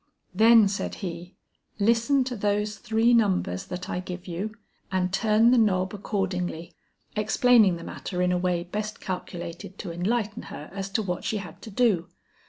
'Then,' said he, 'listen to those three numbers that I give you; and turn the knob accordingly,' explaining the matter in a way best calculated to enlighten her as to what she had to do.